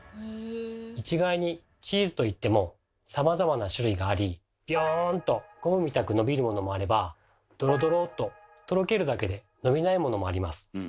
一概に「チーズ」といってもさまざまな種類がありビヨンとゴムみたく伸びるものもあればドロドロととろけるだけで伸びないものもあります。